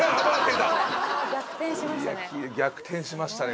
逆転しましたね